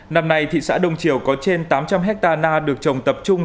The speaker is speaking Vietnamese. năm nay thị xã đông triều có trên tám trăm linh hectare na được trồng tập trung